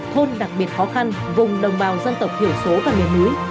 thôn đặc biệt khó khăn vùng đồng bào dân tộc thiểu số và miền núi